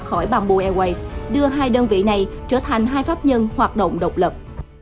khỏi bamboo airways đưa hai đơn vị này trở thành hai pháp nhân hoạt động độc lập